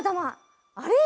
あれ？